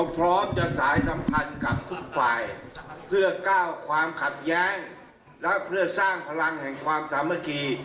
เพื่อสร้างพลังแห่งความธรรมกี